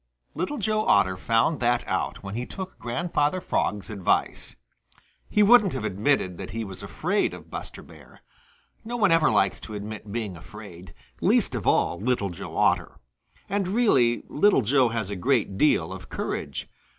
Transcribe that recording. Little Joe Otter found that out when he took Grandfather Frog's advice. He wouldn't have admitted that he was afraid of Buster Bear. No one ever likes to admit being afraid, least of all Little Joe Otter. And really Little Joe has a great deal of courage.